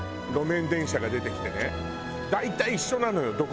路面電車が出てきてね大体一緒なのよ